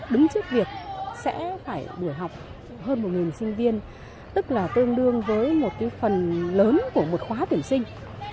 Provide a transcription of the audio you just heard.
đứng trước việc sẽ phải buổi học hơn một sinh viên tức là tương đương với một phần lớn của một khóa tuyển sinh